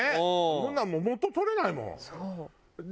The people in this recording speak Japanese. そんなのもう元取れないもん。